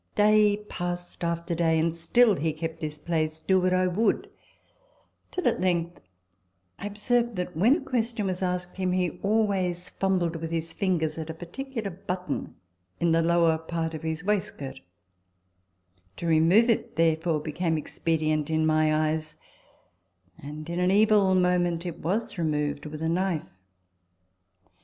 Day passed after day and still he kept his place, do what I would ; till at length I observed that, when a question was asked him, he always fumbled with his fingers at a particu lar button in the lower part of his waistcoat To remove it, therefore, became expedient in my eyes ; and in an evil moment it was removed with a knife.